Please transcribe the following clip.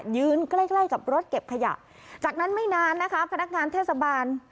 ยืนใกล้ใกล้กับรถเก็บขยะจากนั้นไม่นานนะคะพนักงานเทศบาล